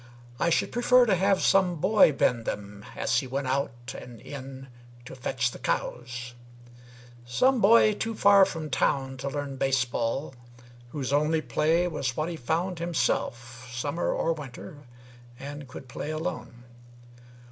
I should prefer to have some boy bend them As he went out and in to fetch the cows Some boy too far from town to learn baseball, Whose only play was what he found himself, Summer or winter, and could play alone.